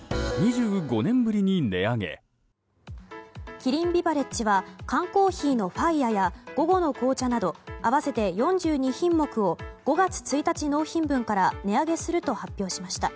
キリンビバレッジは缶コーヒーのファイアや午後の紅茶など合わせて４２品目を５月１日納品分から値上げすると発表しました。